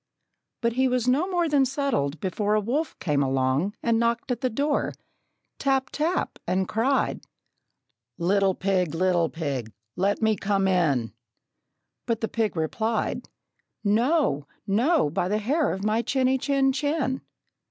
But he was no more than settled, before A wolf came along and knocked at the door, Tap tap, and cried, "Little pig, little pig, let me come in!" But the pig replied, "No, no, by the hair of my chinny, chin, chin!"